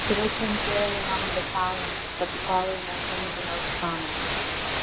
Traditions vary among battalions, but the following are some of the most common.